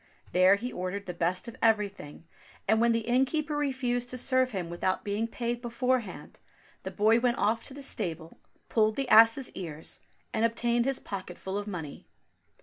There he ordered the best of everything, and when the innkeeper refused to serve him without being paid beforehand, the boy went off to the stable, pulled the ass's ears, and obtained his pocket full of money.